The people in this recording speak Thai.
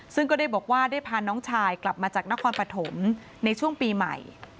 ซึ่งก็ได้บอกว่าได้พาน้องชายกลับมาจากนครปฐมในช่วงปีใหม่